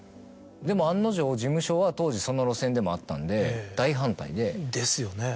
でも案の定事務所は当時その路線でもあったんで大反対で。ですよね。